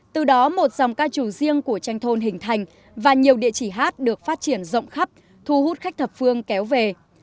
từ đó một dòng ca trù riêng của tranh thôn hình thành và nhiều địa chỉ hát được phát triển rộng khắp thu hút khách thập phương kéo về